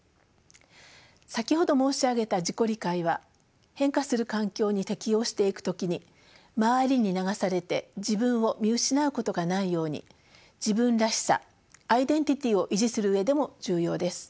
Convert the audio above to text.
先ほど申し上げた自己理解は変化する環境に適応していく時に周りに流されて自分を見失うことがないように自分らしさアイデンティティーを維持する上でも重要です。